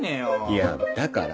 いやだから。